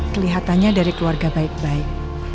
kelihatannya dari keluarga baik baik